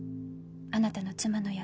あなたの妻の役。